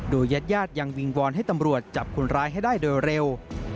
ญาติญาติยังวิงวอนให้ตำรวจจับคนร้ายให้ได้โดยเร็ว